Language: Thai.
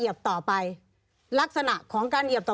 มีความรู้สึกว่ามีความรู้สึกว่า